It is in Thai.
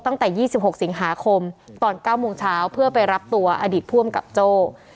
ตั้งแต่๒๖สิงหาคมตอน๙โมงเช้าเพื่อไปรับตัวอดีตผู้อำกับโจ้